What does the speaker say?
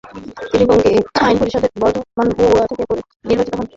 তিনি বঙ্গীয় আইন পরিষদে বর্ধমান-বাঁকুড়া থেকে নির্বাচিত হন।